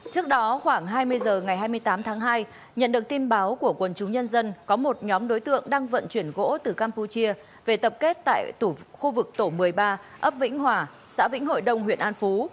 trước đó khoảng hai mươi h ngày hai mươi tám tháng hai nhận được tin báo của quân chú nhân dân có một nhóm đối tượng đang vận chuyển gỗ từ campuchia về tập kết tại khu vực tổ một mươi ba ấp vĩnh hòa xã vĩnh hội đông huyện an phú